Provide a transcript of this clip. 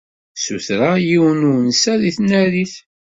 Ssutreɣ yiwen n unsa deg tnarit.